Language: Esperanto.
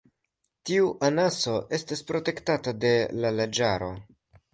Tiu anaso estas protektata de la leĝaro.